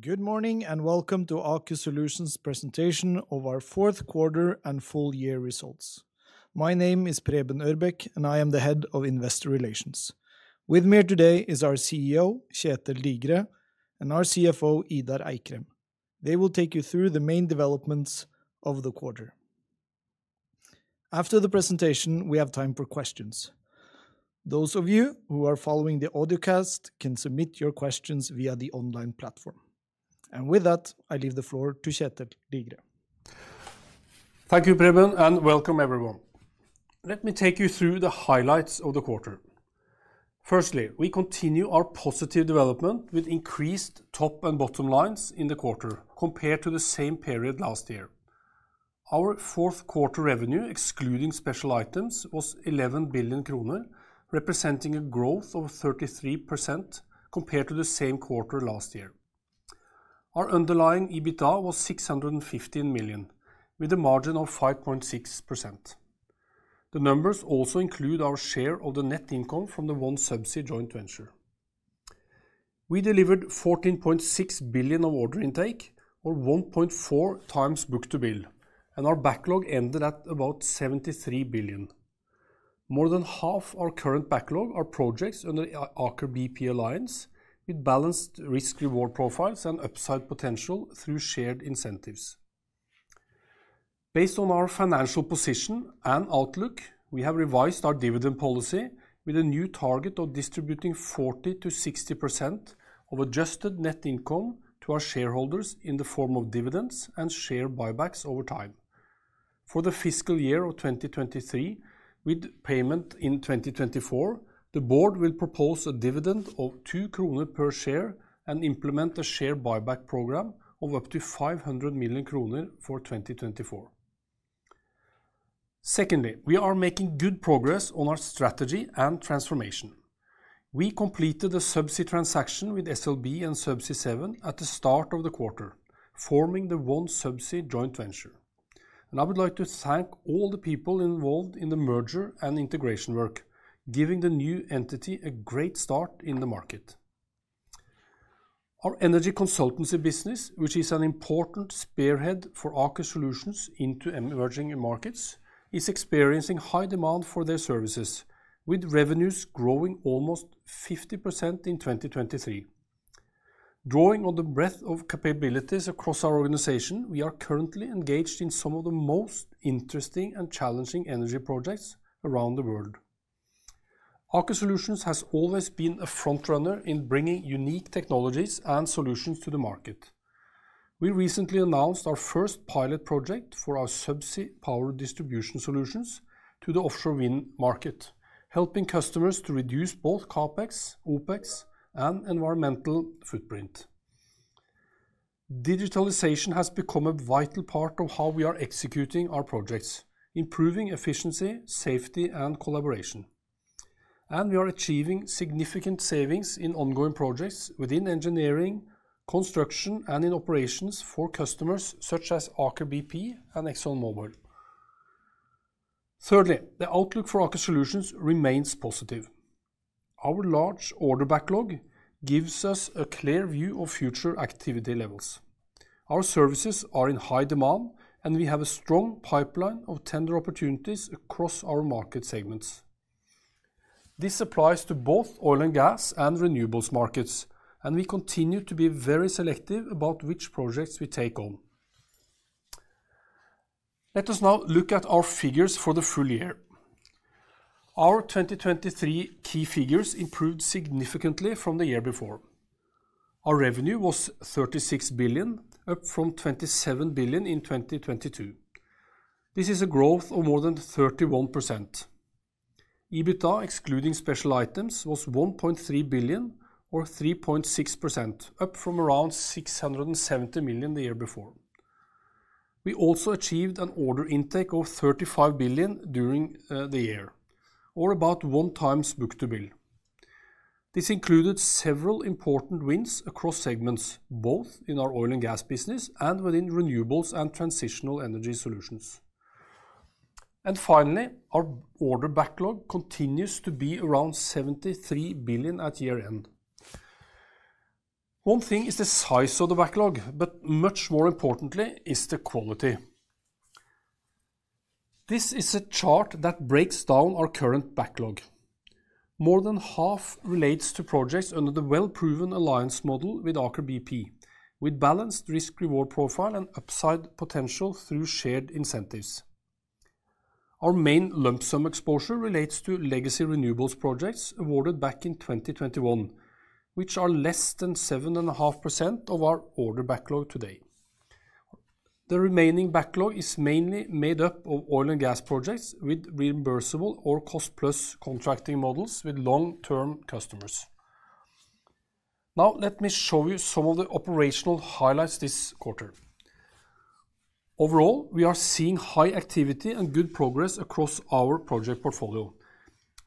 Good morning, and welcome to Aker Solutions presentation of our fourth quarter and full year results. My name is Preben Ørbeck, and I am the head of Investor Relations. With me here today is our CEO, Kjetel Digre, and our CFO, Idar Eikrem. They will take you through the main developments of the quarter. After the presentation, we have time for questions. Those of you who are following the audio cast can submit your questions via the online platform. And with that, I leave the floor to Kjetel Digre. Thank you, Preben, and welcome everyone. Let me take you through the highlights of the quarter. Firstly, we continue our positive development with increased top and bottom lines in the quarter compared to the same period last year. Our fourth quarter revenue, excluding special items, was 11 billion kroner, representing a growth of 33% compared to the same quarter last year. Our underlying EBITDA was 615 million, with a margin of 5.6%. The numbers also include our share of the net income from the OneSubsea joint venture. We delivered 14.6 billion of order intake, or 1.4 times book-to-bill, and our backlog ended at about 73 billion. More than half our current backlog are projects under Aker BP alliance, with balanced risk-reward profiles and upside potential through shared incentives. Based on our financial position and outlook, we have revised our dividend policy with a new target of distributing 40%-60% of adjusted net income to our shareholders in the form of dividends and share buybacks over time. For the fiscal year of 2023, with payment in 2024, the board will propose a dividend of 2 kroner per share and implement a share buyback program of up to 500 million kroner for 2024. Secondly, we are making good progress on our strategy and transformation. We completed the Subsea transaction with SLB and Subsea 7 at the start of the quarter, forming the OneSubsea joint venture. And I would like to thank all the people involved in the merger and integration work, giving the new entity a great start in the market. Our energy consultancy business, which is an important spearhead for Aker Solutions into emerging markets, is experiencing high demand for their services, with revenues growing almost 50% in 2023. Drawing on the breadth of capabilities across our organization, we are currently engaged in some of the most interesting and challenging energy projects around the world. Aker Solutions has always been a front runner in bringing unique technologies and solutions to the market. We recently announced our first pilot project for our Subsea power distribution solutions to the offshore wind market, helping customers to reduce both CapEx, OpEx, and environmental footprint. Digitalization has become a vital part of how we are executing our projects, improving efficiency, safety, and collaboration. We are achieving significant savings in ongoing projects within engineering, construction, and in operations for customers such as Aker BP and ExxonMobil. Thirdly, the outlook for Aker Solutions remains positive. Our large order backlog gives us a clear view of future activity levels. Our services are in high demand, and we have a strong pipeline of tender opportunities across our market segments. This applies to both oil and gas and renewables markets, and we continue to be very selective about which projects we take on. Let us now look at our figures for the full year. Our 2023 key figures improved significantly from the year before. Our revenue was 36 billion, up from 27 billion in 2022. This is a growth of more than 31%. EBITDA, excluding special items, was 1.3 billion, or 3.6%, up from around 670 million the year before. We also achieved an order intake of 35 billion during the year, or about 1x book-to-bill. This included several important wins across segments, both in our oil and gas business and within renewables and transitional energy solutions. And finally, our order backlog continues to be around 73 billion at year-end. One thing is the size of the backlog, but much more importantly is the quality. This is a chart that breaks down our current backlog. More than half relates to projects under the well-proven alliance model with Aker BP, with balanced risk-reward profile and upside potential through shared incentives. Our main lump sum exposure relates to legacy renewables projects awarded back in 2021, which are less than 7.5% of our order backlog today. The remaining backlog is mainly made up of oil and gas projects with reimbursable or cost-plus contracting models with long-term customers. Now, let me show you some of the operational highlights this quarter. Overall, we are seeing high activity and good progress across our project portfolio,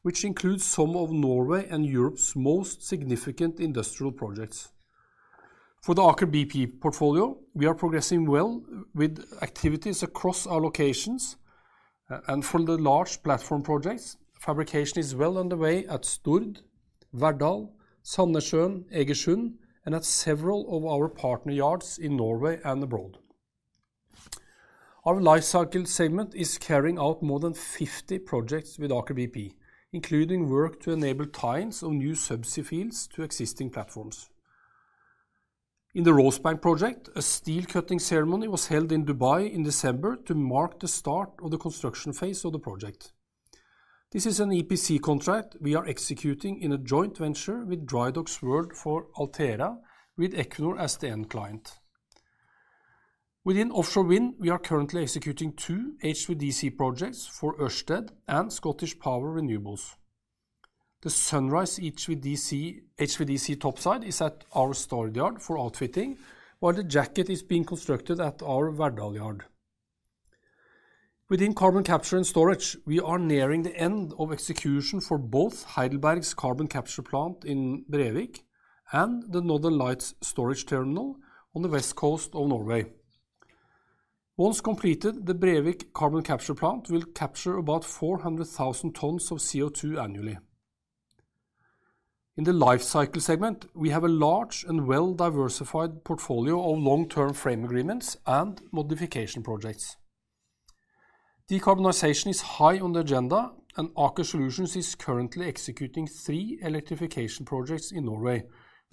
which includes some of Norway and Europe's most significant industrial projects. For the Aker BP portfolio, we are progressing well with activities across our locations. From the large platform projects, fabrication is well underway at Stord, Verdal, Sandnessjøen, Egersund, and at several of our partner yards in Norway and abroad. Our lifecycle segment is carrying out more than 50 projects with Aker BP, including work to enable ties on new subsea fields to existing platforms. In the Rosebank project, a steel cutting ceremony was held in Dubai in December to mark the start of the construction phase of the project. This is an EPC contract we are executing in a joint venture with Drydocks World for Altera, with Equinor as the end client. Within offshore wind, we are currently executing two HVDC projects for Ørsted and Scottish Power Renewables. The Sunrise Wind HVDC topside is at our Stord yard for outfitting, while the jacket is being constructed at our Verdal yard. Within carbon capture and storage, we are nearing the end of execution for both Heidelberg's carbon capture plant in Brevik and the Northern Lights storage terminal on the west coast of Norway. Once completed, the Brevik carbon capture plant will capture about 400,000 tons of CO2 annually. In the lifecycle segment, we have a large and well-diversified portfolio of long-term frame agreements and modification projects. Decarbonization is high on the agenda, and Aker Solutions is currently executing three electrification projects in Norway,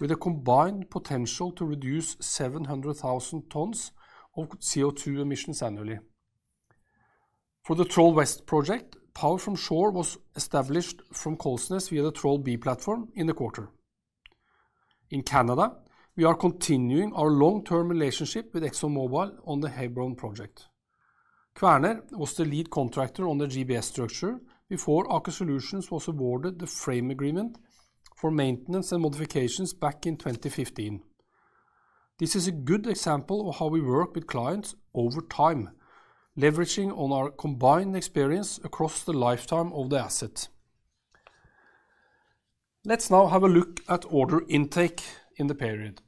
with a combined potential to reduce 700,000 tons of CO2 emissions annually. For the Troll West project, power from shore was established from Kolsnes via the Troll B platform in the quarter. In Canada, we are continuing our long-term relationship with ExxonMobil on the Hebron project. Kværner was the lead contractor on the GBS structure before Aker Solutions was awarded the frame agreement for maintenance and modifications back in 2015. This is a good example of how we work with clients over time, leveraging on our combined experience across the lifetime of the asset. Let's now have a look at order intake in the period.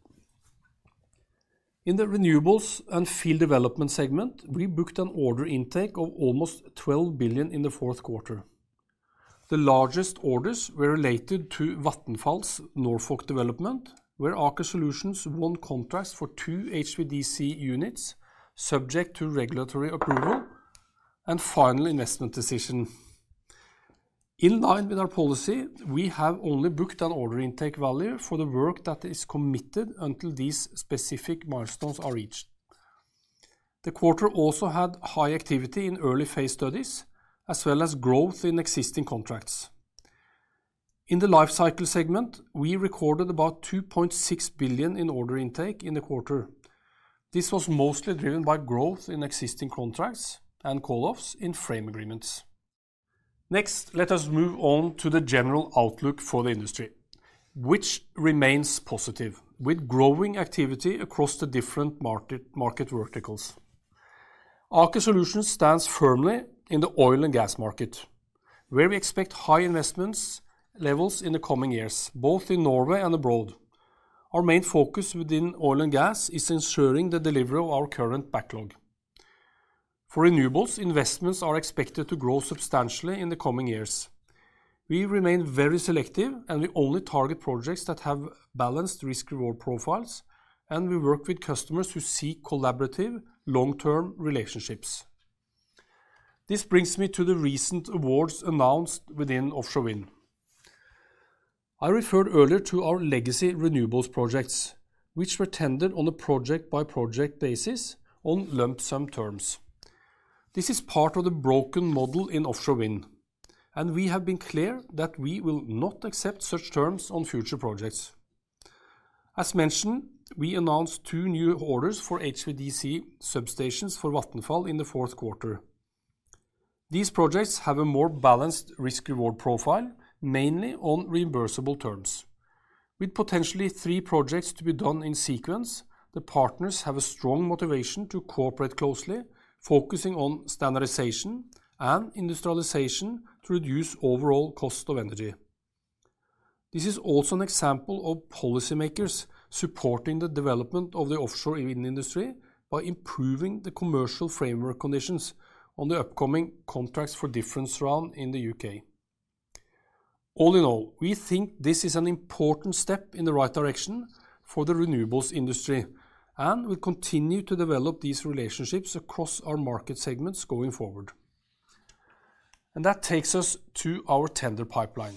In the renewables and field development segment, we booked an order intake of almost 12 billion in the fourth quarter. The largest orders were related to Vattenfall's Norfolk development, where Aker Solutions won contracts for two HVDC units, subject to regulatory approval and final investment decision. In line with our policy, we have only booked an order intake value for the work that is committed until these specific milestones are reached. The quarter also had high activity in early phase studies, as well as growth in existing contracts. In the lifecycle segment, we recorded about 2.6 billion in order intake in the quarter. This was mostly driven by growth in existing contracts and call-offs in frame agreements. Next, let us move on to the general outlook for the industry, which remains positive, with growing activity across the different market, market verticals. Aker Solutions stands firmly in the oil and gas market, where we expect high investments levels in the coming years, both in Norway and abroad. Our main focus within oil and gas is ensuring the delivery of our current backlog. For renewables, investments are expected to grow substantially in the coming years. We remain very selective, and we only target projects that have balanced risk-reward profiles, and we work with customers who seek collaborative long-term relationships. This brings me to the recent awards announced within offshore wind. I referred earlier to our legacy renewables projects, which were tendered on a project-by-project basis on lump sum terms. This is part of the broken model in offshore wind, and we have been clear that we will not accept such terms on future projects. As mentioned, we announced two new orders for HVDC substations for Vattenfall in the fourth quarter. These projects have a more balanced risk-reward profile, mainly on reimbursable terms. With potentially three projects to be done in sequence, the partners have a strong motivation to cooperate closely, focusing on standardization and industrialization to reduce overall cost of energy. This is also an example of policymakers supporting the development of the offshore wind industry by improving the commercial framework conditions on the upcoming contracts for difference round in the U.K. All in all, we think this is an important step in the right direction for the renewables industry, and we continue to develop these relationships across our market segments going forward. That takes us to our tender pipeline,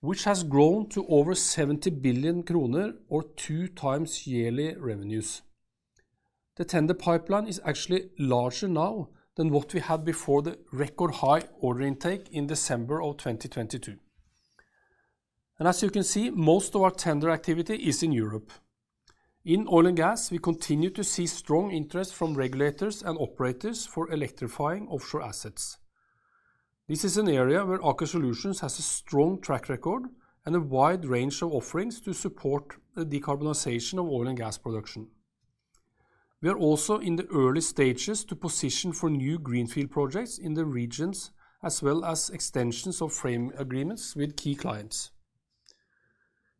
which has grown to over 70 billion kroner or 2x yearly revenues. The tender pipeline is actually larger now than what we had before the record high order intake in December of 2022. As you can see, most of our tender activity is in Europe. In oil and gas, we continue to see strong interest from regulators and operators for electrifying offshore assets. This is an area where Aker Solutions has a strong track record and a wide range of offerings to support the decarbonization of oil and gas production. We are also in the early stages to position for new greenfield projects in the regions, as well as extensions of frame agreements with key clients.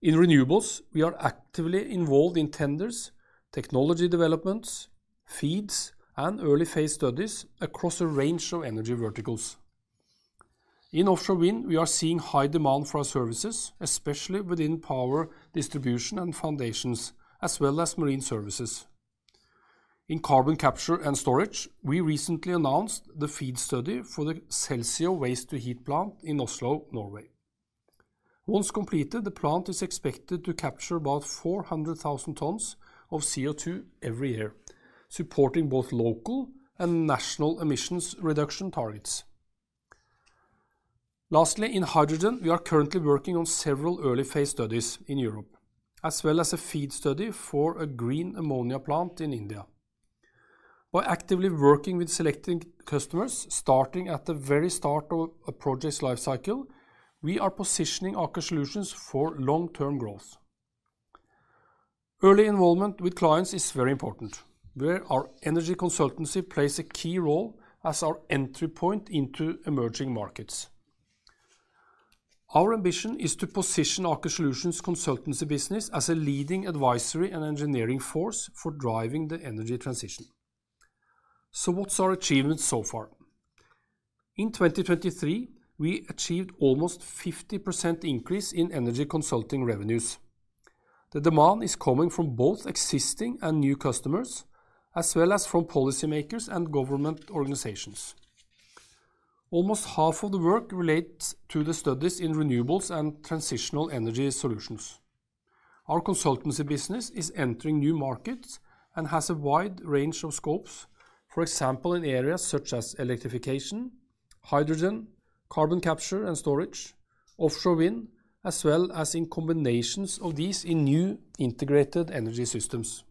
In renewables, we are actively involved in tenders, technology developments, FEEDs, and early phase studies across a range of energy verticals. In offshore wind, we are seeing high demand for our services, especially within power distribution and foundations, as well as marine services. In carbon capture and storage, we recently announced the FEED study for the Celsio waste-to-heat plant in Oslo, Norway. Once completed, the plant is expected to capture about 400,000 tons of CO2 every year, supporting both local and national emissions reduction targets. Lastly, in hydrogen, we are currently working on several early phase studies in Europe, as well as a feed study for a green ammonia plant in India. By actively working with selecting customers, starting at the very start of a project's life cycle, we are positioning Aker Solutions for long-term growth. Early involvement with clients is very important, where our energy consultancy plays a key role as our entry point into emerging markets. Our ambition is to position Aker Solutions consultancy business as a leading advisory and engineering force for driving the energy transition. So what's our achievements so far? In 2023, we achieved almost 50% increase in energy consulting revenues. The demand is coming from both existing and new customers, as well as from policymakers and government organizations. Almost half of the work relates to the studies in renewables and transitional energy solutions. Our consultancy business is entering new markets and has a wide range of scopes. For example, in areas such as electrification, hydrogen, Carbon Capture and Storage, Offshore Wind, as well as in combinations of these in new integrated energy systems.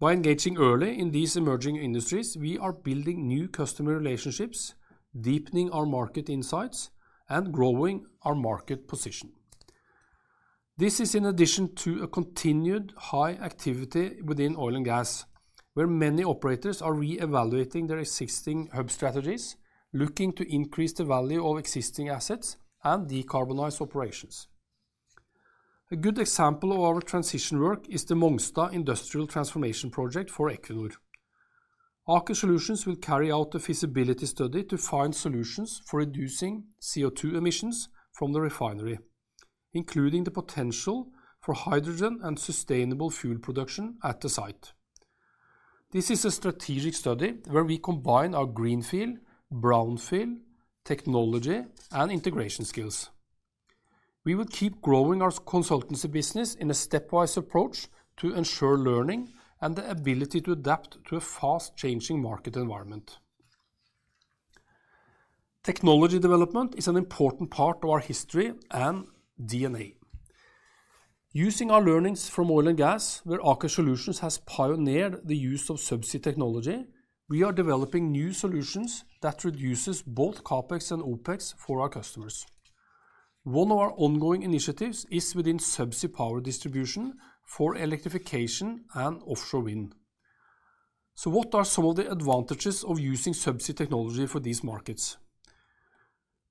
By engaging early in these emerging industries, we are building new customer relationships, deepening our market insights, and growing our market position. This is in addition to a continued high activity within oil and gas, where many operators are re-evaluating their existing hub strategies, looking to increase the value of existing assets and decarbonize operations. A good example of our transition work is the Mongstad Industrial Transformation Project for Equinor. Aker Solutions will carry out a feasibility study to find solutions for reducing CO2 emissions from the refinery, including the potential for hydrogen and sustainable fuel production at the site. This is a strategic study where we combine our greenfield, brownfield, technology, and integration skills. We will keep growing our consultancy business in a stepwise approach to ensure learning and the ability to adapt to a fast-changing market environment. Technology development is an important part of our history and DNA. Using our learnings from oil and gas, where Aker Solutions has pioneered the use of subsea technology, we are developing new solutions that reduces both CapEx and OpEx for our customers. One of our ongoing initiatives is within subsea power distribution for electrification and offshore wind. So what are some of the advantages of using subsea technology for these markets?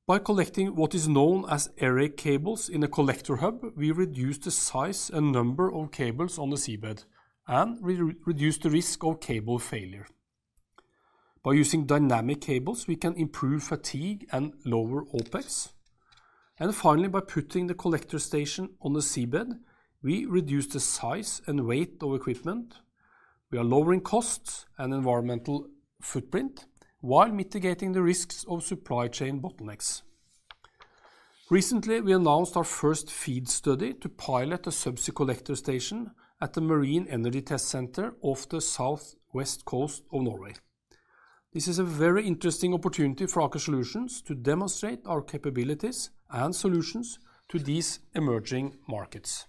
By collecting what is known as array cables in a collector hub, we reduce the size and number of cables on the seabed and reduce the risk of cable failure. By using dynamic cables, we can improve fatigue and lower OpEx. Finally, by putting the collector station on the seabed, we reduce the size and weight of equipment. We are lowering costs and environmental footprint, while mitigating the risks of supply chain bottlenecks. Recently, we announced our first FEED study to pilot a subsea collector station at the Marine Energy Test Center off the southwest coast of Norway. This is a very interesting opportunity for Aker Solutions to demonstrate our capabilities and solutions to these emerging markets.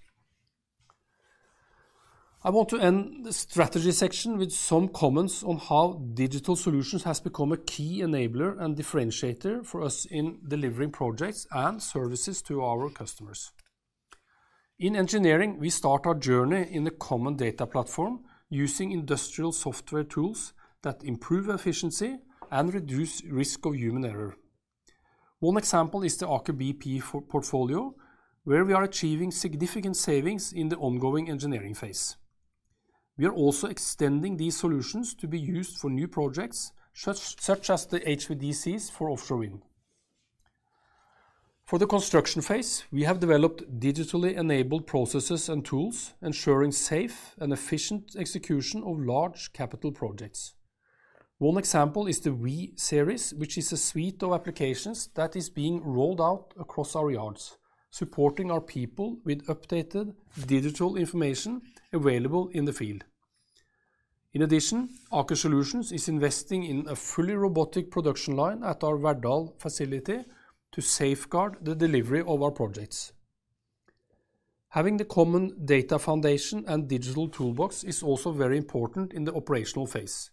I want to end the strategy section with some comments on how digital solutions has become a key enabler and differentiator for us in delivering projects and services to our customers. In engineering, we start our journey in a common data platform, using industrial software tools that improve efficiency and reduce risk of human error. One example is the Aker BP portfolio, where we are achieving significant savings in the ongoing engineering phase. We are also extending these solutions to be used for new projects, such as the HVDCs for offshore wind. For the construction phase, we have developed digitally enabled processes and tools, ensuring safe and efficient execution of large capital projects. One example is the We Series, which is a suite of applications that is being rolled out across our yards, supporting our people with updated digital information available in the field. In addition, Aker Solutions is investing in a fully robotic production line at our Verdal facility to safeguard the delivery of our projects. Having the common data foundation and digital toolbox is also very important in the operational phase.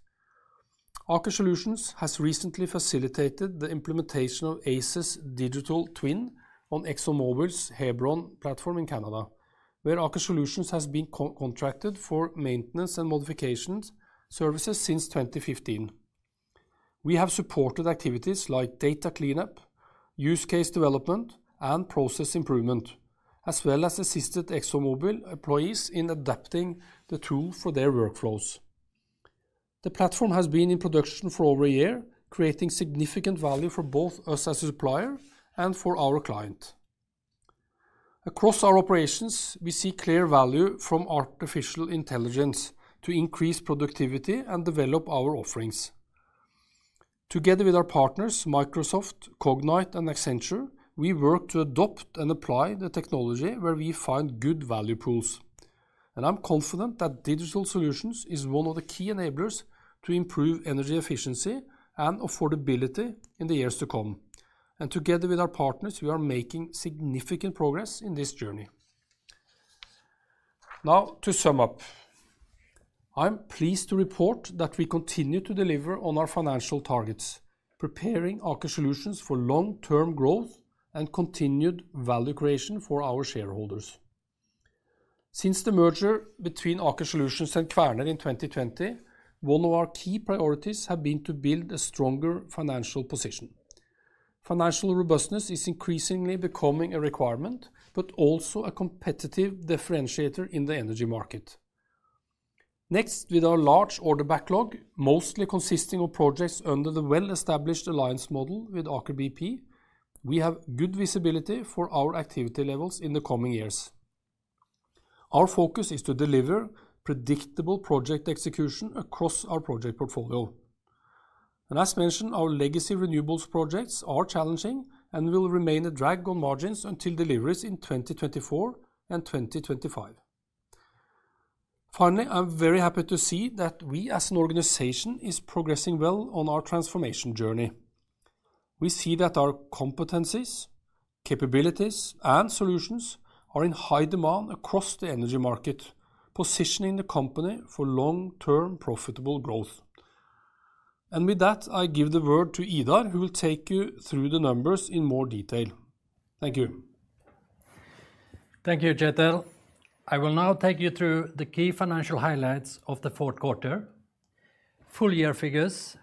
Aker Solutions has recently facilitated the implementation of Aize digital twin on ExxonMobil's Hebron platform in Canada, where Aker Solutions has been contracted for maintenance and modifications services since 2015. We have supported activities like data cleanup, use case development, and process improvement, as well as assisted ExxonMobil employees in adapting the tool for their workflows. The platform has been in production for over a year, creating significant value for both us as a supplier and for our client. Across our operations, we see clear value from artificial intelligence to increase productivity and develop our offerings. Together with our partners, Microsoft, Cognite, and Accenture, we work to adopt and apply the technology where we find good value pools, and I'm confident that digital solutions is one of the key enablers to improve energy efficiency and affordability in the years to come, and together with our partners, we are making significant progress in this journey. Now, to sum up, I'm pleased to report that we continue to deliver on our financial targets, preparing Aker Solutions for long-term growth and continued value creation for our shareholders. Since the merger between Aker Solutions and Kværner in 2020, one of our key priorities have been to build a stronger financial position. Financial robustness is increasingly becoming a requirement, but also a competitive differentiator in the energy market. Next, with our large order backlog, mostly consisting of projects under the well-established alliance model with Aker BP, we have good visibility for our activity levels in the coming years. Our focus is to deliver predictable project execution across our project portfolio, and as mentioned, our legacy renewables projects are challenging and will remain a drag on margins until deliveries in 2024 and 2025. Finally, I'm very happy to see that we, as an organization, is progressing well on our transformation journey. We see that our competencies, capabilities, and solutions are in high demand across the energy market, positioning the company for long-term profitable growth. With that, I give the word to Idar, who will take you through the numbers in more detail. Thank you. Thank you, Kjetel. I will now take you through the key financial highlights of the fourth quarter, full year figures,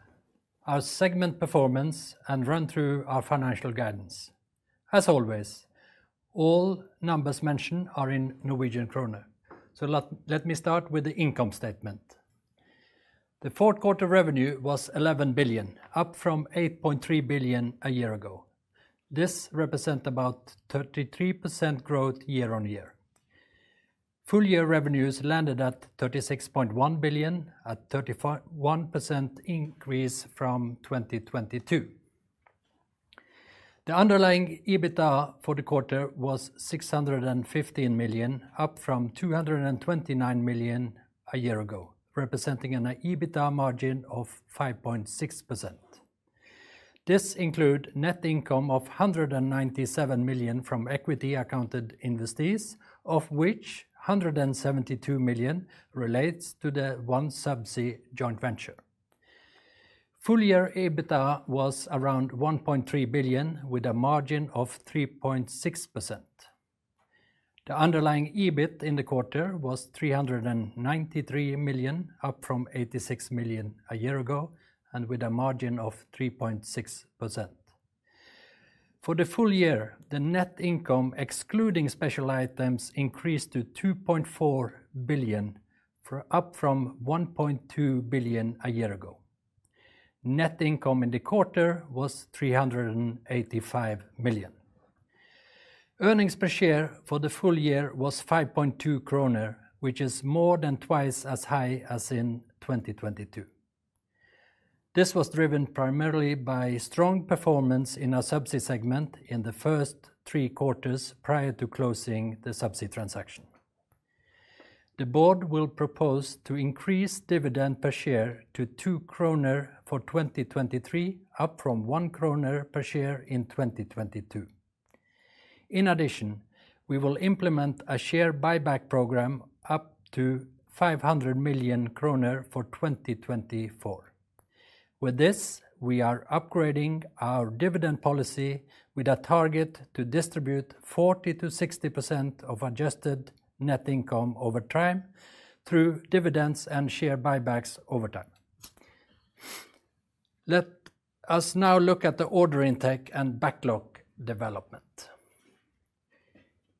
our segment performance, and run through our financial guidance. As always, all numbers mentioned are in Norwegian kroner. So let me start with the income statement. The fourth quarter revenue was 11 billion, up from 8.3 billion a year ago. This represent about 33% growth year-on-year. Full year revenues landed at 36.1 billion, a 31% increase from 2022. The underlying EBITDA for the quarter was 615 million, up from 229 million a year ago, representing an EBITDA margin of 5.6%. This include net income of 197 million from equity accounted investees, of which 172 million relates to the OneSubsea joint venture. Full year EBITDA was around 1.3 billion, with a margin of 3.6%. The underlying EBIT in the quarter was 393 million, up from 86 million a year ago, and with a margin of 3.6%. For the full year, the net income, excluding special items, increased to 2.4 billion, up from 1.2 billion a year ago. Net income in the quarter was 385 million. Earnings per share for the full year was 5.2 kroner, which is more than twice as high as in 2022. This was driven primarily by strong performance in our Subsea segment in the first three quarters, prior to closing the Subsea transaction. The board will propose to increase dividend per share to 2 kroner for 2023, up from 1 kroner per share in 2022. In addition, we will implement a share buyback program up to 500 million kroner for 2024. With this, we are upgrading our dividend policy with a target to distribute 40%-60% of adjusted net income over time through dividends and share buybacks over time. Let us now look at the order intake and backlog development.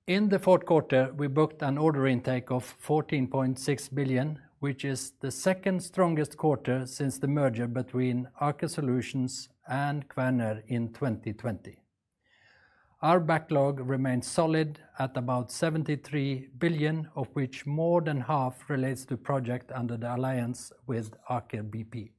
In the fourth quarter, we booked an order intake of 14.6 billion, which is the second strongest quarter since the merger between Aker Solutions and Kværner in 2020. Our backlog remains solid at about 73 billion, of which more than half relates to project under the alliance with Aker BP.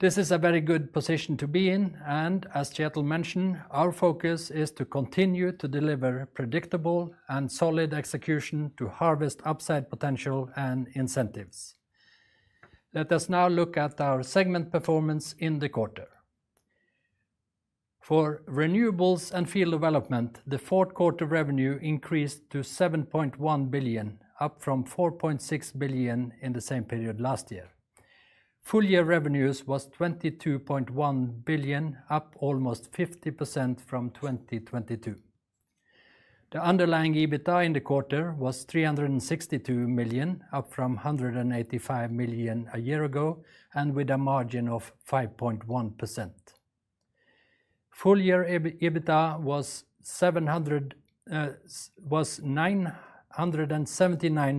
This is a very good position to be in, and as Kjetel mentioned, our focus is to continue to deliver predictable and solid execution to harvest upside potential and incentives. Let us now look at our segment performance in the quarter. For renewables and field development, the fourth quarter revenue increased to 7.1 billion, up from 4.6 billion in the same period last year. Full year revenues was 22.1 billion, up almost 50% from 2022. The underlying EBITDA in the quarter was 362 million, up from 185 million a year ago, and with a margin of 5.1%. Full year EBITDA was 979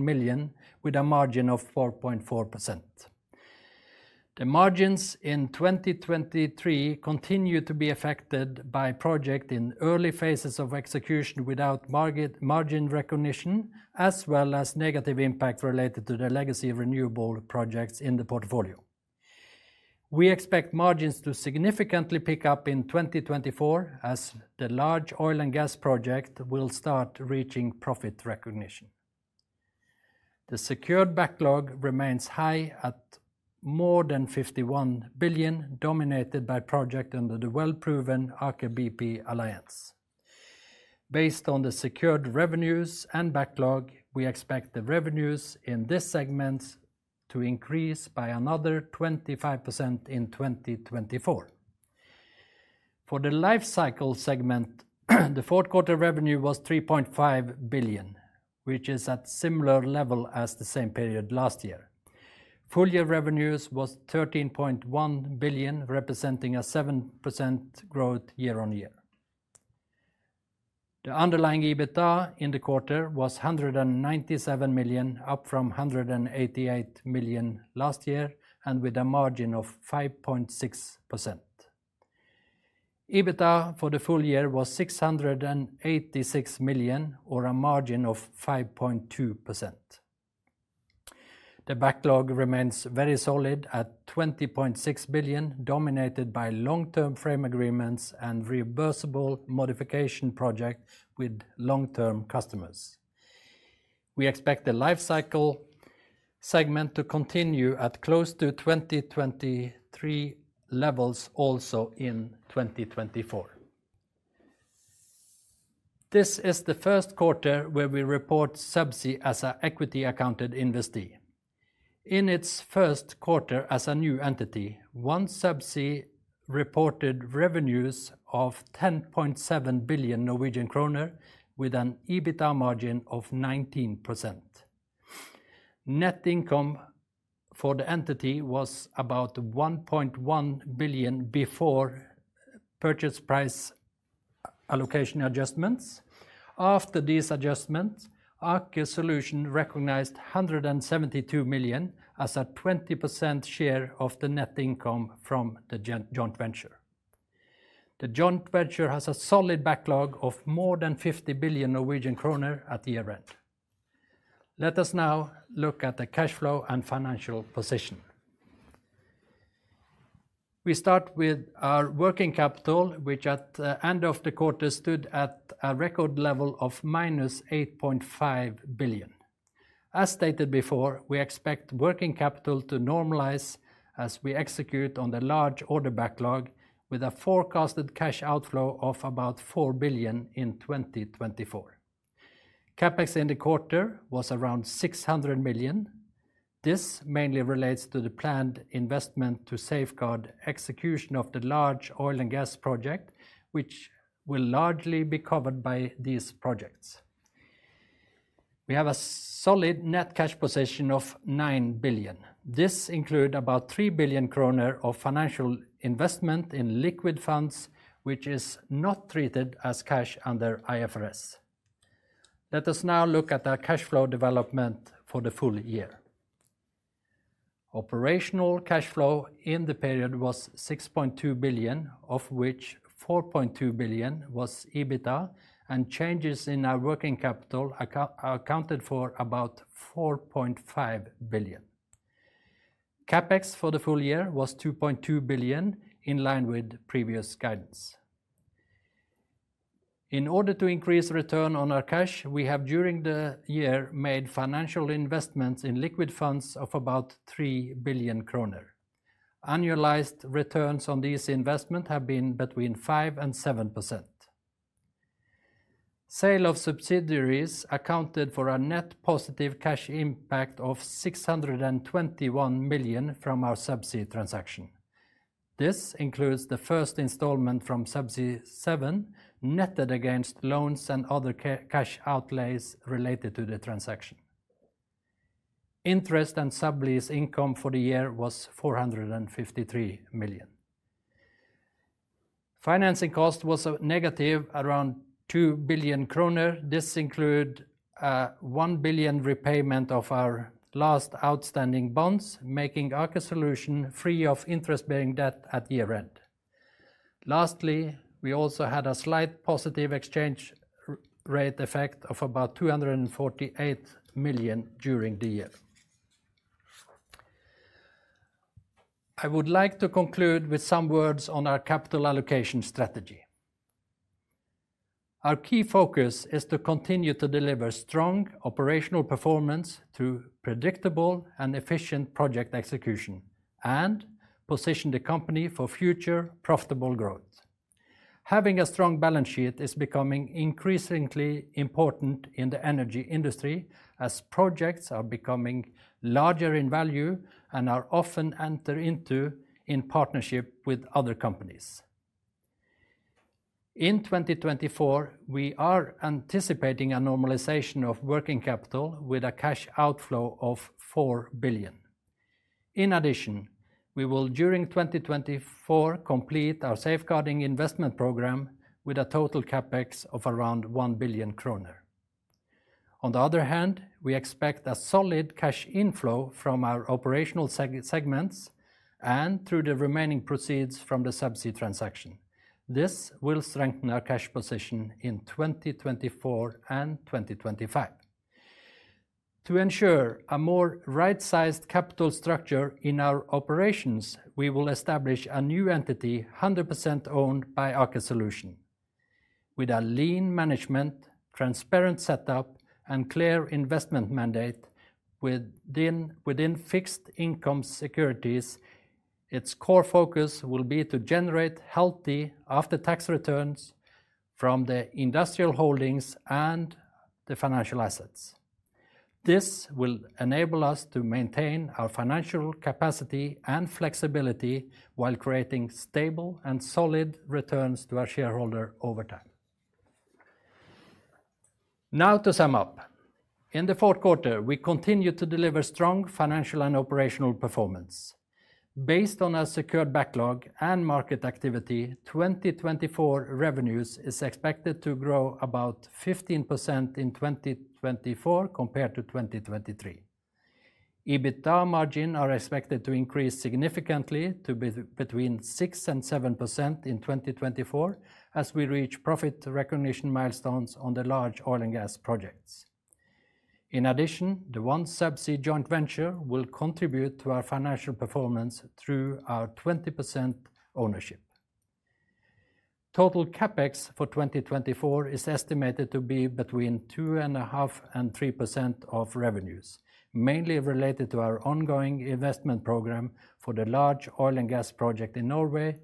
million, with a margin of 4.4%. The margins in 2023 continued to be affected by projects in early phases of execution without margin recognition, as well as negative impact related to the legacy of renewable projects in the portfolio. We expect margins to significantly pick up in 2024, as the large oil and gas projects will start reaching profit recognition. The secured backlog remains high at more than 51 billion, dominated by projects under the well-proven Aker BP Alliance. Based on the secured revenues and backlog, we expect the revenues in this segment to increase by another 25% in 2024. For the life cycle segment, the fourth quarter revenue was 3.5 billion, which is at similar level as the same period last year. Full year revenues was 13.1 billion, representing a 7% growth year-on-year. The underlying EBITDA in the quarter was 197 million, up from 188 million last year, and with a margin of 5.6%. EBITDA for the full year was 686 million, or a margin of 5.2%. The backlog remains very solid at 20.6 billion, dominated by long-term frame agreements and reversible modification projects with long-term customers. We expect the life cycle segment to continue at close to 2023 levels also in 2024. This is the first quarter where we report OneSubsea as a equity accounted investee. In its first quarter as a new entity, OneSubsea reported revenues of 10.7 billion Norwegian kroner, with an EBITDA margin of 19%. Net income for the entity was about 1.1 billion before purchase price allocation adjustments. After these adjustments, Aker Solutions recognized 172 million as a 20% share of the net income from the joint venture. The joint venture has a solid backlog of more than 50 billion Norwegian kroner at year-end. Let us now look at the cash flow and financial position. We start with our working capital, which at the end of the quarter, stood at a record level of -8.5 billion. As stated before, we expect working capital to normalize as we execute on the large order backlog, with a forecasted cash outflow of about 4 billion in 2024. CapEx in the quarter was around 600 million. This mainly relates to the planned investment to safeguard execution of the large oil and gas project, which will largely be covered by these projects. We have a solid net cash position of 9 billion. This includes 3 billion kroner of financial investment in liquid funds, which is not treated as cash under IFRS. Let us now look at our cash flow development for the full year. Operational cash flow in the period was 6.2 billion, of which 4.2 billion was EBITDA, and changes in our working capital accounted for about 4.5 billion. CapEx for the full year was 2.2 billion, in line with previous guidance. In order to increase return on our cash, we have, during the year, made financial investments in liquid funds of about 3 billion kroner. Annualized returns on this investment have been between 5% and 7%. Sale of subsidiaries accounted for a net positive cash impact of 621 million from our Subsea transaction. This includes the first installment from Subsea 7, netted against loans and other cash outlays related to the transaction. Interest and sublease income for the year was 453 million. Financing cost was negative, around 2 billion kroner. This include one billion repayment of our last outstanding bonds, making Aker Solutions free of interest-bearing debt at year-end. Lastly, we also had a slight positive exchange rate effect of about 248 million during the year. I would like to conclude with some words on our capital allocation strategy. Our key focus is to continue to deliver strong operational performance through predictable and efficient project execution, and position the company for future profitable growth. Having a strong balance sheet is becoming increasingly important in the energy industry, as projects are becoming larger in value and are often entered into in partnership with other companies. In 2024, we are anticipating a normalization of working capital with a cash outflow of 4 billion. In addition, we will, during 2024, complete our safeguarding investment program with a total CapEx of around 1 billion kroner. On the other hand, we expect a solid cash inflow from our operational segments and through the remaining proceeds from the Subsea transaction. This will strengthen our cash position in 2024 and 2025. To ensure a more right-sized capital structure in our operations, we will establish a new entity, 100% owned by Aker Solutions. With a lean management, transparent setup, and clear investment mandate within fixed income securities, its core focus will be to generate healthy after-tax returns from the industrial holdings and the financial assets. This will enable us to maintain our financial capacity and flexibility while creating stable and solid returns to our shareholder over time. Now, to sum up, in the fourth quarter, we continued to deliver strong financial and operational performance. Based on our secured backlog and market activity, 2024 revenues is expected to grow about 15% in 2024 compared to 2023. EBITDA margin are expected to increase significantly to be between 6% and 7% in 2024, as we reach profit recognition milestones on the large oil and gas projects. In addition, the OneSubsea joint venture will contribute to our financial performance through our 20% ownership. Total CapEx for 2024 is estimated to be between 2.5% and 3% of revenues, mainly related to our ongoing investment program for the large oil and gas project in Norway,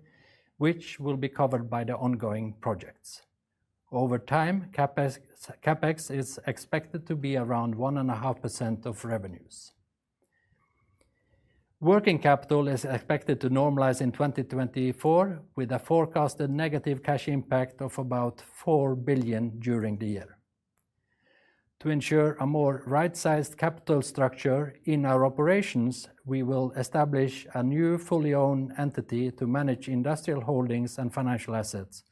which will be covered by the ongoing projects. Over time, CapEx, CapEx is expected to be around 1.5% of revenues. Working capital is expected to normalize in 2024, with a forecasted negative cash impact of about 4 billion during the year. To ensure a more right-sized capital structure in our operations, we will establish a new fully owned entity to manage industrial holdings and financial assets,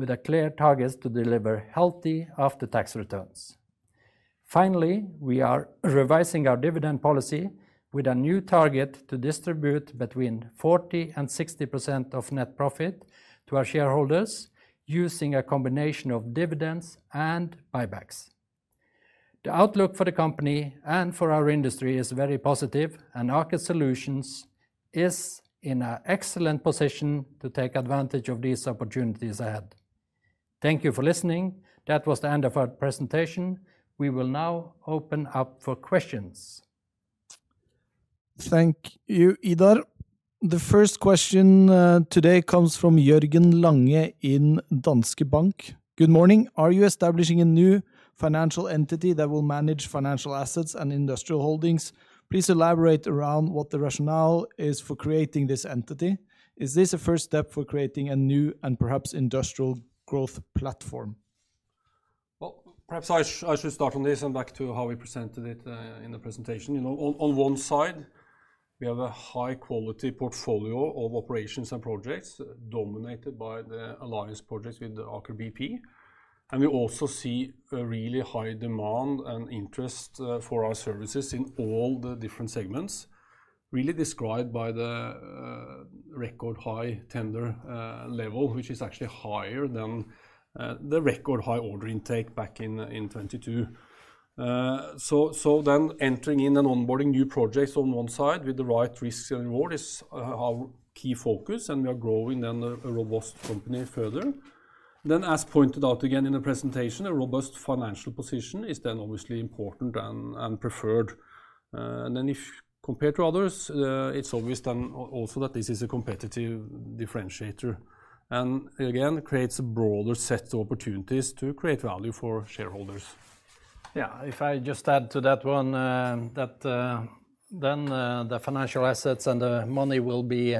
with a clear target to deliver healthy after-tax returns. Finally, we are revising our dividend policy with a new target to distribute between 40%-60% of net profit to our shareholders, using a combination of dividends and buybacks. The outlook for the company and for our industry is very positive, and Aker Solutions is in an excellent position to take advantage of these opportunities ahead. Thank you for listening. That was the end of our presentation. We will now open up for questions. Thank you, Idar. The first question today comes from Jørgen Lande in Danske Bank, Good morning. Are you establishing a new financial entity that will manage financial assets and industrial holdings? Please elaborate around what the rationale is for creating this entity. Is this a first step for creating a new and perhaps industrial growth platform? Well, perhaps I should start on this and back to how we presented it in the presentation. You know, on one side, we have a high-quality portfolio of operations and projects, dominated by the alliance projects with Aker BP, and we also see a really high demand and interest for our services in all the different segments, really described by the record-high tender level, which is actually higher than the record-high order intake back in 2022. So then entering in and onboarding new projects on one side with the right risk and reward is our key focus, and we are growing then a robust company further. Then, as pointed out again in the presentation, a robust financial position is then obviously important and preferred. And then if compared to others, it's obvious then also that this is a competitive differentiator, and again, creates a broader set of opportunities to create value for shareholders. Yeah, if I just add to that one, that, then the financial assets and the money will be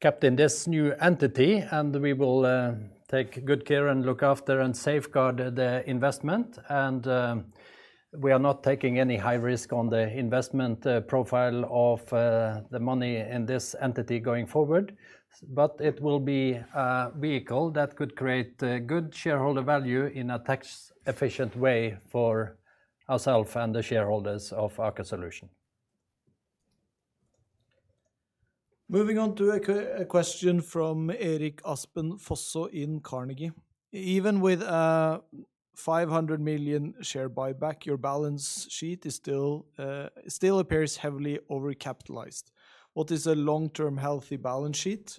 kept in this new entity, and we will take good care and look after and safeguard the investment. And, we are not taking any high risk on the investment profile of the money in this entity going forward, but it will be a vehicle that could create good shareholder value in a tax-efficient way for ourself and the shareholders of Aker Solutions. Moving on to a question from Erik Aspen Fosså in Carnegie, Even with a 500 million share buyback, your balance sheet is still appears heavily overcapitalized. What is a long-term healthy balance sheet?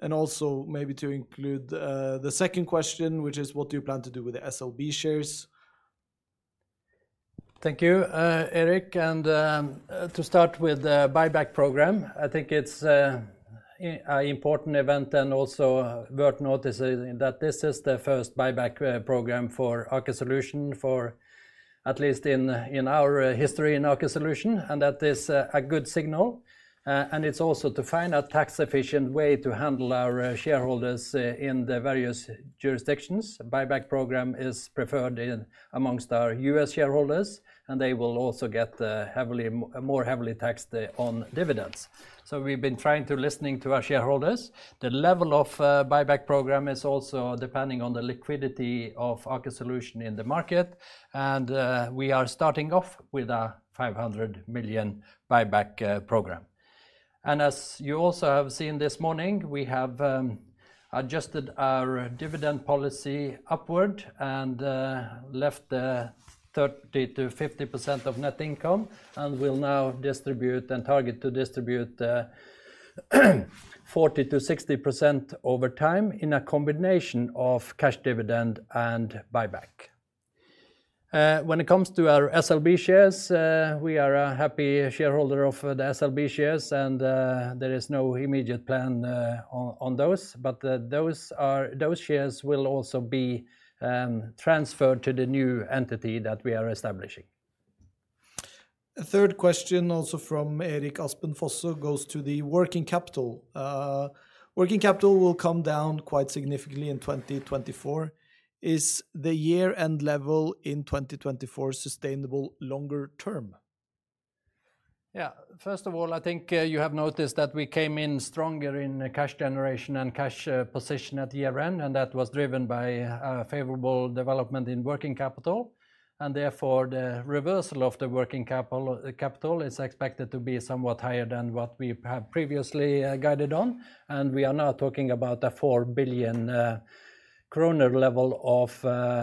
And also, maybe to include, the second question, which is, what do you plan to do with the SLB shares? Thank you, Erik. To start with the buyback program, I think it's an important event and also worth noticing that this is the first buyback program for Aker Solutions for at least in our history in Aker Solutions, and that is a good signal. It's also to find a tax-efficient way to handle our shareholders in the various jurisdictions. Buyback program is preferred amongst our U.S. shareholders, and they will also get more heavily taxed on dividends. So we've been trying to listening to our shareholders. The level of buyback program is also depending on the liquidity of Aker Solutions in the market, and we are starting off with a 500 million buyback program. As you also have seen this morning, we have adjusted our dividend policy upward and left 30%-50% of net income, and we'll now distribute and target to distribute 40%-60% over time in a combination of cash dividend and buyback. When it comes to our SLB shares, we are a happy shareholder of the SLB shares, and there is no immediate plan on those. Those shares will also be transferred to the new entity that we are establishing. A third question, also from Erik Aspen Fosså, goes to the working capital. Working capital will come down quite significantly in 2024. Is the year-end level in 2024 sustainable longer term? Yeah. First of all, I think, you have noticed that we came in stronger in cash generation and cash, position at year-end, and that was driven by a favorable development in working capital. And therefore, the reversal of the working capital, capital is expected to be somewhat higher than what we have previously, guided on, and we are now talking about a 4 billion kroner level of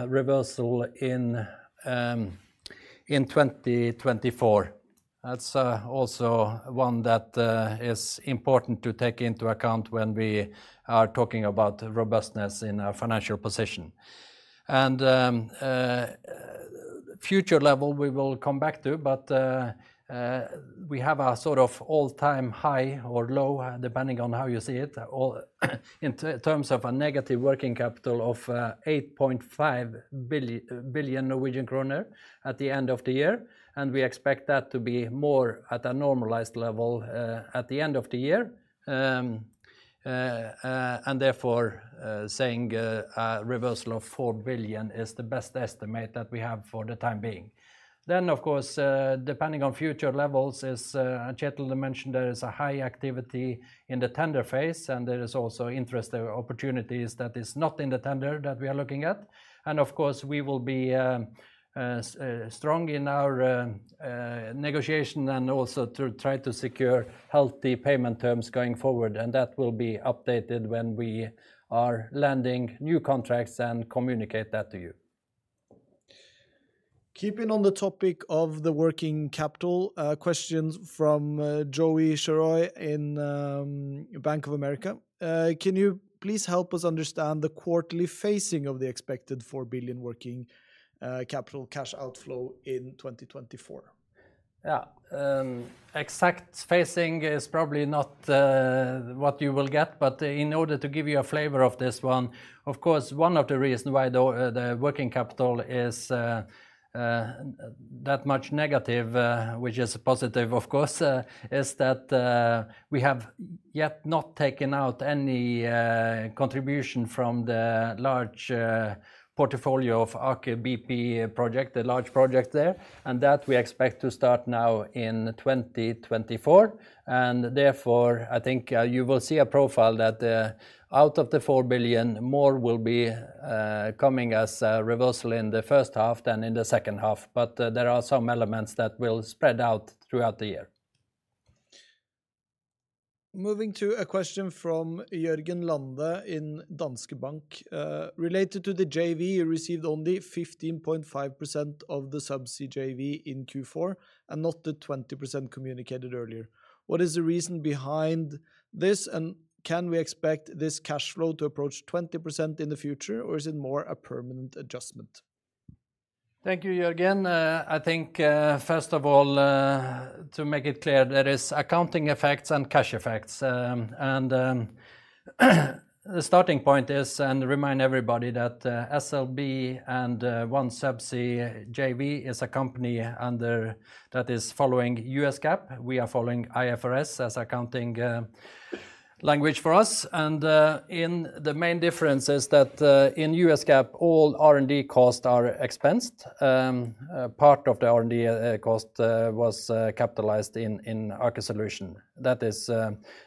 reversal in 2024. That's, also one that, is important to take into account when we are talking about robustness in our financial position. Future level, we will come back to, but we have a sort of all-time high or low, depending on how you see it, all in terms of a negative working capital of 8.5 billion Norwegian kroner at the end of the year, and we expect that to be more at a normalized level at the end of the year. Therefore, saying a reversal of 4 billion is the best estimate that we have for the time being. Then, of course, depending on future levels, as Kjetel mentioned, there is a high activity in the tender phase, and there is also interesting opportunities that is not in the tender that we are looking at. Of course, we will be strong in our negotiation and also to try to secure healthy payment terms going forward and that will be updated when we are landing new contracts and communicate that to you. Keeping on the topic of the working capital, questions from Joey Suehr in Bank of America. Can you please help us understand the quarterly phasing of the expected 4 billion working capital cash outflow in 2024? Yeah. Exact phasing is probably not what you will get, but in order to give you a flavor of this one, of course, one of the reasons why the working capital is that much negative, which is positive, of course, is that we have yet not taken out any contribution from the large portfolio of Aker BP project, the large project there and that we expect to start now in 2024. And therefore, I think you will see a profile that out of the 4 billion more will be coming as a reversal in the first half than in the second half. But there are some elements that will spread out throughout the year. Moving to a question from Jørgen Lande in Danske Bank. Related to the JV, you received only 15.5% of the Subsea JV in Q4 and not the 20% communicated earlier. What is the reason behind this, and can we expect this cash flow to approach 20% in the future, or is it more a permanent adjustment? Thank you, Jørgen. I think, first of all, to make it clear, there is accounting effects and cash effects. The starting point is, and remind everybody, that SLB and OneSubsea JV is a company under that is following U.S. GAAP. We are following IFRS as accounting language for us, and in the main difference is that in U.S. GAAP, all R&D costs are expensed. Part of the R&D cost was capitalized in Aker Solutions. That is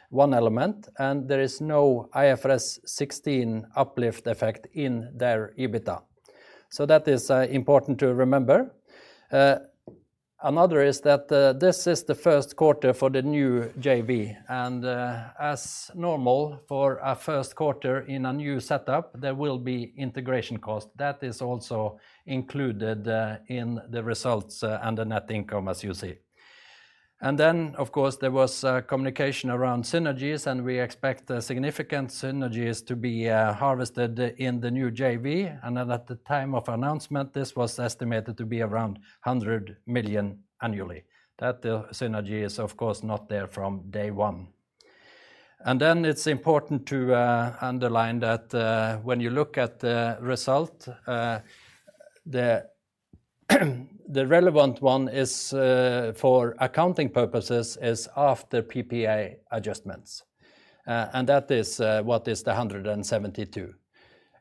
one element, and there is no IFRS 16 uplift effect in their EBITDA. So that is important to remember. Another is that this is the first quarter for the new JV, and as normal for a first quarter in a new setup, there will be integration cost. That is also included in the results and the net income, as you see. And then, of course, there was communication around synergies, and we expect significant synergies to be harvested in the new JV. And then at the time of announcement, this was estimated to be around 100 million annually. That synergy is, of course, not there from day one. And then it's important to underline that when you look at the result, the relevant one is for accounting purposes is after PPA adjustments. And that is what is the 172.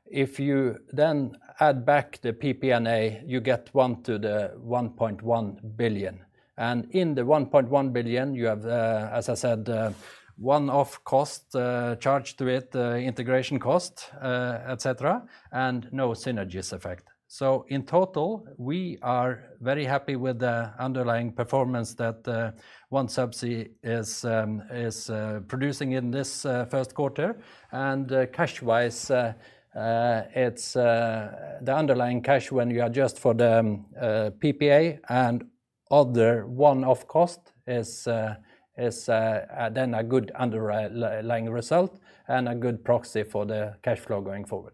If you then add back the PPA, you get 1.1 billion. And in the 1.1 billion, you have, as I said, one-off cost charged with integration cost, et cetera, and no synergies effect. So in total, we are very happy with the underlying performance that OneSubsea is producing in this first quarter. Cashwise, the underlying cash when you adjust for the PPA and other one off cost is then a good underlying result and a good proxy for the cash flow going forward.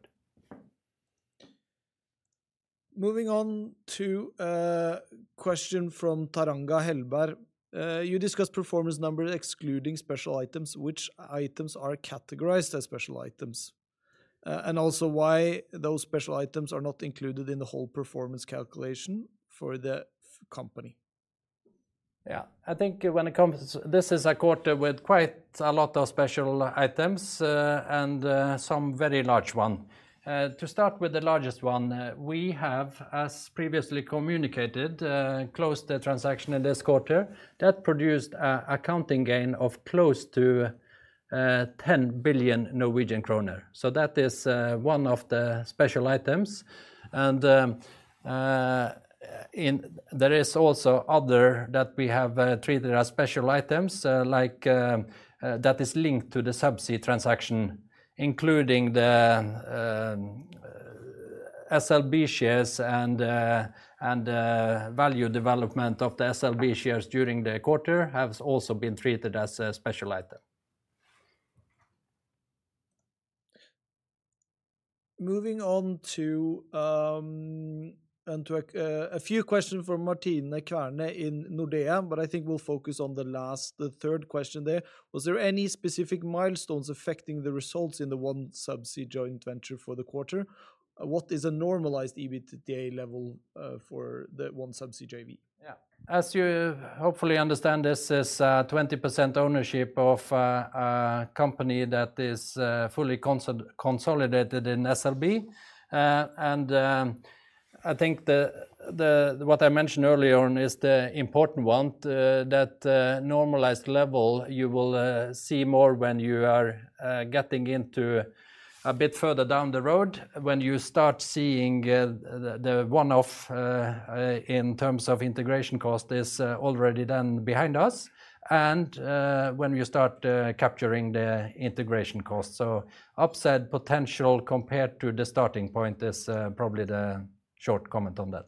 Moving on to a question from Taranga Helberg. You discussed performance numbers excluding special items. Which items are categorized as special items? And also why those special items are not included in the whole performance calculation for the company? Yeah. I think when it comes, this is a quarter with quite a lot of special items and some very large ones. To start with the largest one, we have, as previously communicated, closed the transaction in this quarter. That produced an accounting gain of close to 10 billion Norwegian kroner. So that is one of the special items, and there is also others that we have treated as special items, like that is linked to the Subsea transaction, including the SLB shares and value development of the SLB shares during the quarter, has also been treated as a special item. Moving on to a few questions from Martine Kverne in Nordea, but I think we'll focus on the last, the third question there. Was there any specific milestones affecting the results in the OneSubsea joint venture for the quarter? What is a normalized EBITDA level for the OneSubsea JV? Yeah. As you hopefully understand, this is a 20% ownership of a company that is fully consolidated in SLB. And I think the what I mentioned earlier on is the important one, that normalized level you will see more when you are getting into a bit further down the road, when you start seeing the one-off in terms of integration cost is already done behind us and when you start capturing the integration cost. So upside potential compared to the starting point is probably the short comment on that.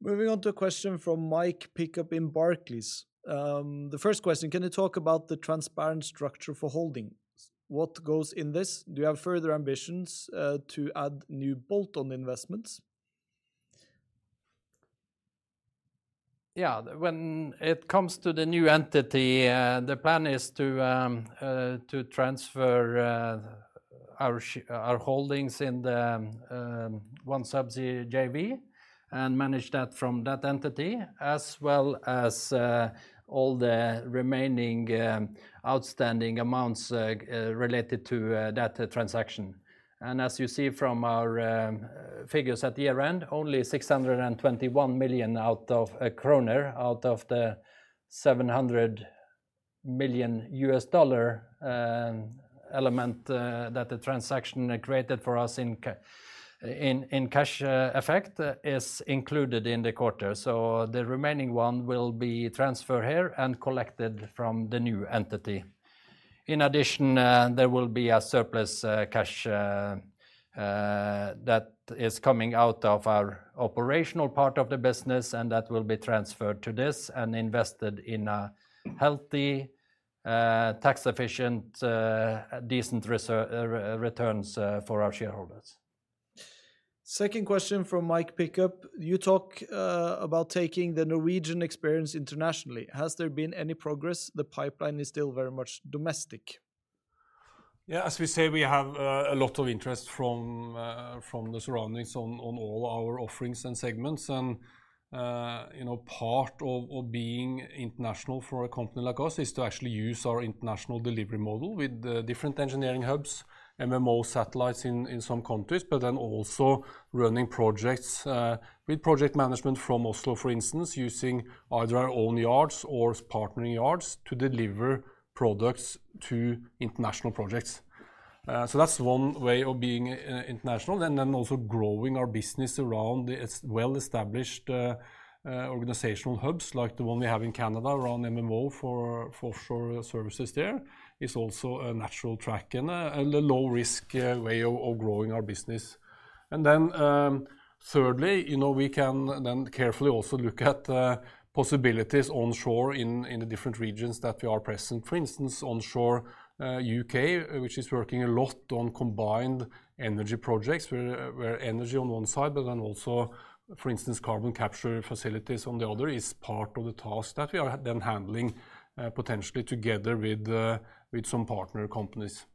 Moving on to a question from Mick Pickup in Barclays. The first question, can you talk about the transparent structure for holdings? What goes in this? Do you have further ambitions, to add new bolt-on investments? Yeah. When it comes to the new entity, the plan is to transfer our holdings in the OneSubsea JV and manage that from that entity, as well as all the remaining outstanding amounts related to that transaction. And as you see from our figures at the year-end, only 621 million out of kroner out of the $700 million element that the transaction created for us in cash effect is included in the quarter. So the remaining one will be transferred here and collected from the new entity. In addition, there will be a surplus cash that is coming out of our operational part of the business, and that will be transferred to this and invested in a healthy, tax-efficient, decent returns for our shareholders. Second question from Mick Pickup: You talk about taking the Norwegian experience internationally. Has there been any progress? The pipeline is still very much domestic. Yeah, as we say, we have a lot of interest from the surroundings on all our offerings and segments, and you know, part of being international for a company like us is to actually use our international delivery model with the different engineering hubs, MMO satellites in some countries, but then also running projects with project management from Oslo, for instance, using either our own yards or partnering yards to deliver products to international projects. So that's one way of being international and then also growing our business around its well-established organizational hubs, like the one we have in Canada around MMO for offshore services there, is also a natural track and a low-risk way of growing our business. And then, thirdly, you know, we can then carefully also look at the possibilities onshore in the different regions that we are present. For instance, onshore, U.K., which is working a lot on combined energy projects, where energy on one side, but then also, for instance, carbon capture facilities on the other, is part of the task that we are then handling, potentially together with some partner companies.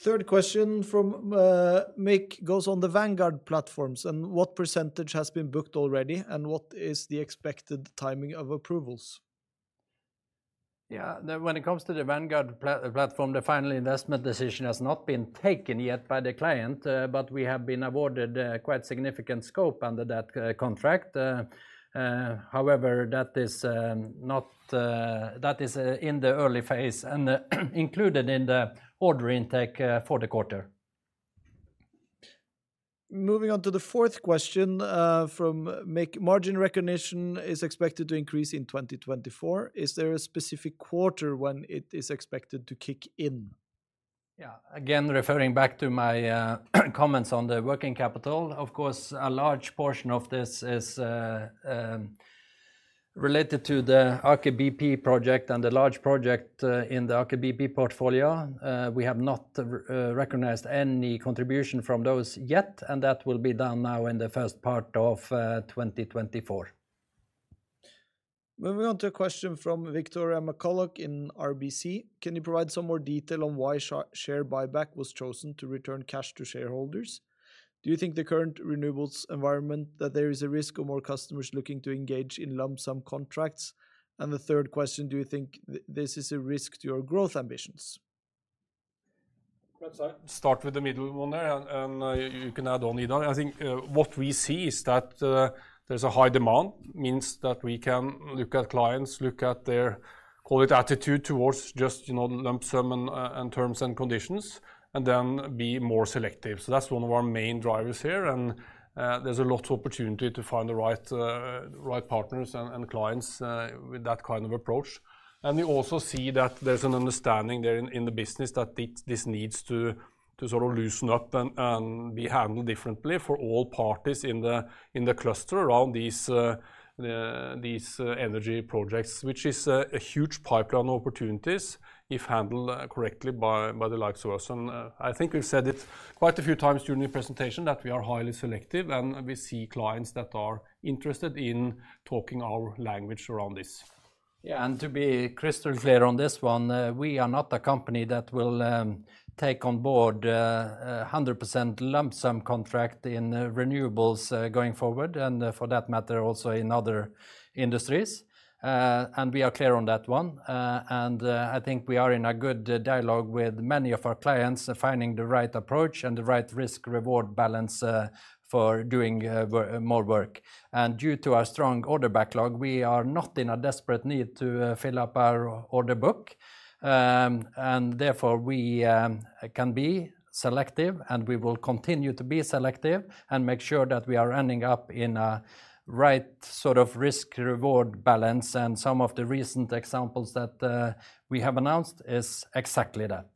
Third question from Mick goes on the Vanguard platforms, and what percentage has been booked already, and what is the expected timing of approvals? Yeah, when it comes to the Vanguard platform, the final investment decision has not been taken yet by the client, but we have been awarded quite significant scope under that contract. However, that is not, that is in the early phase and included in the order intake for the quarter. Moving on to the fourth question, from Mick, Margin recognition is expected to increase in 2024, Is there a specific quarter when it is expected to kick in? Yeah. Again, referring back to my comments on the working capital, of course, a large portion of this is related to the Aker BP project and the large project in the Aker BP portfolio. We have not recognized any contribution from those yet, and that will be done now in the first part of 2024. Moving on to a question from Victoria McCulloch in RBC, Can you provide some more detail on why share buyback was chosen to return cash to shareholders? Do you think the current renewables environment, that there is a risk of more customers looking to engage in lump sum contracts? And the third question, Do you think this is a risk to your growth ambitions? Well, so I start with the middle one there, and, you can add on, Idar. I think, what we see is that, there's a high demand, means that we can look at clients, look at their, call it, attitude towards just, you know, lump sum and terms and conditions, and then be more selective. So that's one of our main drivers here, and there's a lot of opportunity to find the right partners and clients, with that kind of approach. We also see that there's an understanding there in the business that this needs to sort of loosen up and be handled differently for all parties in the cluster around these energy projects, which is a huge pipeline of opportunities if handled correctly by the likes of us. I think we've said it quite a few times during the presentation, that we are highly selective, and we see clients that are interested in talking our language around this. Yeah, to be crystal clear on this one, we are not a company that will take on board a 100% lump sum contract in renewables going forward, and for that matter also in other industries. We are clear on that one. I think we are in a good dialogue with many of our clients, finding the right approach and the right risk/reward balance for doing more work. Due to our strong order backlog, we are not in a desperate need to fill up our order book. Therefore, we can be selective, and we will continue to be selective and make sure that we are ending up in a right sort of risk/reward balance, and some of the recent examples that we have announced is exactly that.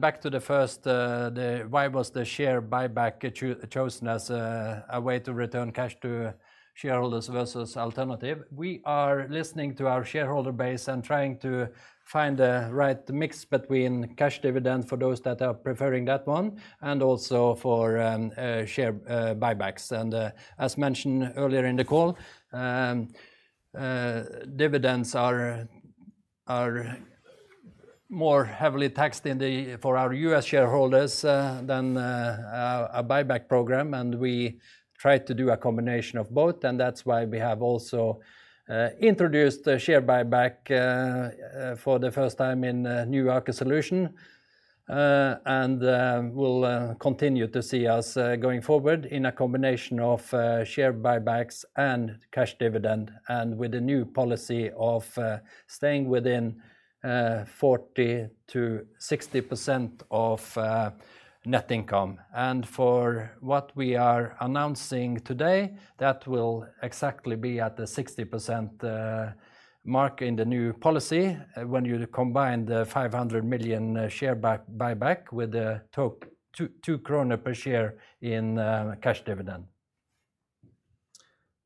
Back to the first, why was the share buyback chosen as a way to return cash to shareholders versus alternative? We are listening to our shareholder base and trying to find the right mix between cash dividend for those that are preferring that one, and also for share buybacks. And, as mentioned earlier in the call, dividends are more heavily taxed in the for our U.S. shareholders than a buyback program, and we try to do a combination of both, and that's why we have also introduced a share buyback for the first time in Aker Solutions. We'll continue to see us going forward in a combination of share buybacks and cash dividend, and with a new policy of staying within 40%-60% of net income. For what we are announcing today, that will exactly be at the 60% mark in the new policy when you combine the 500 million share buyback with the total 2.2 krone per share in cash dividend.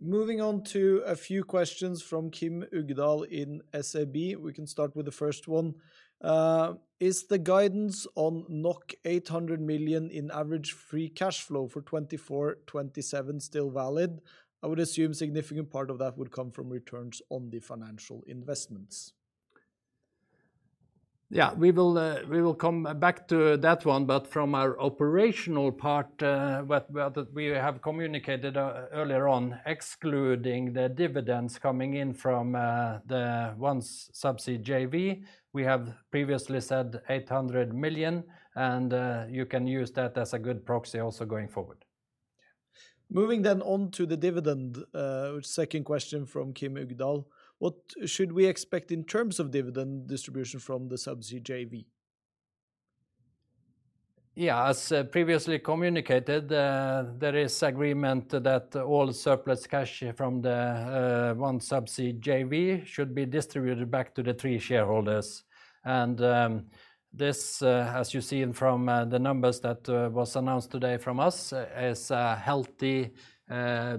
Moving on to a few questions from Kim Ugdahl in SEB. We can start with the first one. Is the guidance on 800 million in average free cash flow for 2024, 2027 still valid? I would assume significant part of that would come from returns on the financial investments. Yeah, we will come back to that one, but from our operational part, what, well, we have communicated earlier on, excluding the dividends coming in from the OneSubsea JV, we have previously said 800 million, and you can use that as a good proxy also going forward. Moving then on to the dividend, second question from Kim Ugdahl, What should we expect in terms of dividend distribution from the Subsea JV? Yeah, as previously communicated, there is agreement that all surplus cash from the OneSubsea JV should be distributed back to the three shareholders, and this, as you seen from the numbers that was announced today from us, is a healthy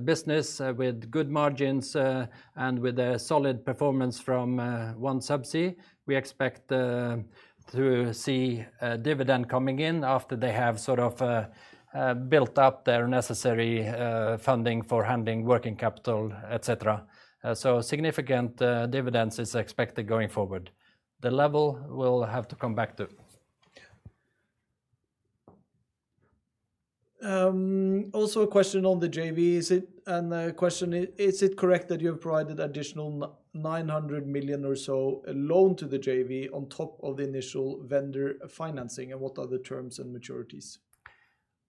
business with good margins and with a solid performance from OneSubsea. We expect to see a dividend coming in after they have sort of built up their necessary funding for handling working capital, et cetera. So significant dividends is expected going forward. The level we'll have to come back to. Also a question on the JV. Is it correct that you have provided additional 900 million or so loan to the JV on top of the initial vendor financing, and what are the terms and maturities?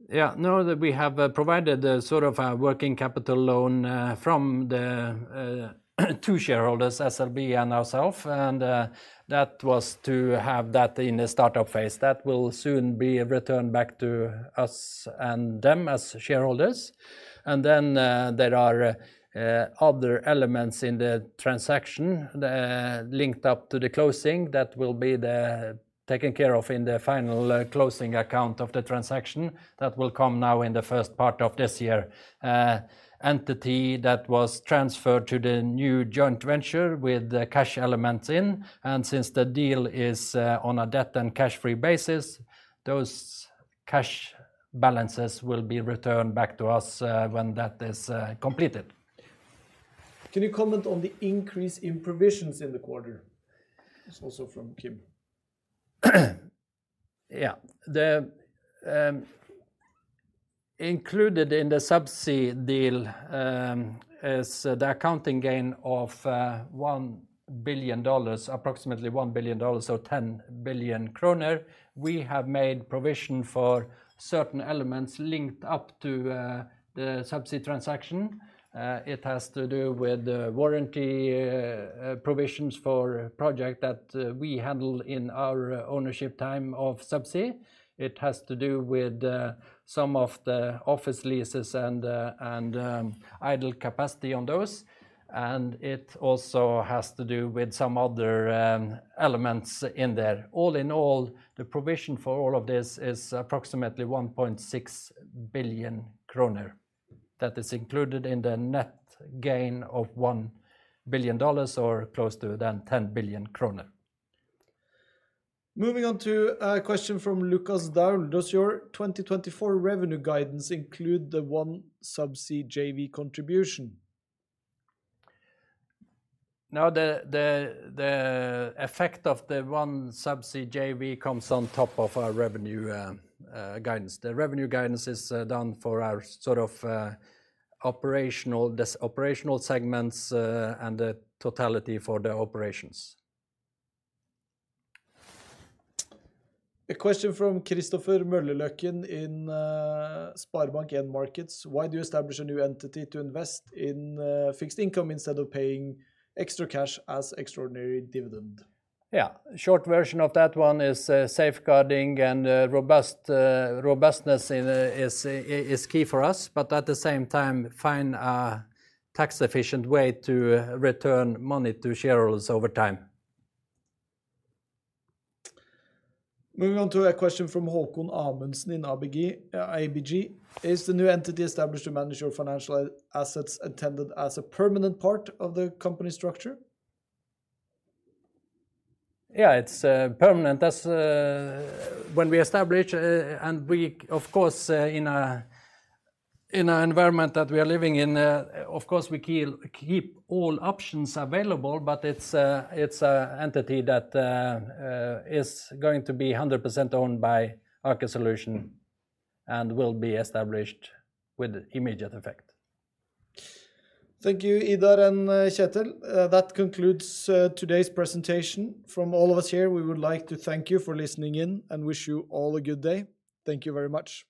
Yeah, no, that we have provided a sort of a working capital loan from the two shareholders, SLB and ourselves, and that was to have that in the startup phase. That will soon be returned back to us and them as shareholders, and then there are other elements in the transaction linked up to the closing that will be taken care of in the final closing account of the transaction. That will come now in the first part of this year. Entity that was transferred to the new joint venture with the cash elements in, and since the deal is on a debt and cash-free basis, those cash balances will be returned back to us when that is completed. Can you comment on the increase in provisions in the quarter? It's also from Kim. Yeah. The included in the Subsea deal is the accounting gain of $1 billion, approximately $1 billion, so 10 billion kroner. We have made provision for certain elements linked up to the Subsea transaction. It has to do with the warranty provisions for project that we handle in our ownership time of Subsea. It has to do with some of the office leases and idle capacity on those, and it also has to do with some other elements in there. All in all, the provision for all of this is approximately 1.6 billion kroner. That is included in the net gain of $1 billion or close to than 10 billion kroner. Moving on to a question from Lukas Daul, Does your 2024 revenue guidance include the OneSubsea JV contribution? No, the effect of the OneSubsea JV comes on top of our revenue guidance. The revenue guidance is done for our sort of operational segments, and the totality for the operations. A question from Christopher Møllerløkken in SpareBank 1 Markets, Why do you establish a new entity to invest in fixed income instead of paying extra cash as extraordinary dividend? Yeah. Short version of that one is safeguarding and robust robustness is key for us, but at the same time, find a tax-efficient way to return money to shareholders over time. Moving on to a question from Haakon Amundsen in ABG, ABG, Is the new entity established to manage your financial assets intended as a permanent part of the company structure? Yeah, it's permanent. That's, when we establish and we, of course, in an environment that we are living in, of course, we keep all options available, but it's an entity that is going to be 100% owned by Aker Solutions and will be established with immediate effect. Thank you, Idar and Kjetel. That concludes today's presentation. From all of us here, we would like to thank you for listening in and wish you all a good day. Thank you very much. Thank you.